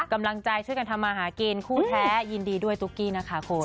กำลังใจช่วยกันทำมาหากินคู่แท้ยินดีด้วยตุ๊กกี้นะคะคุณ